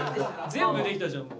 全部できたじゃん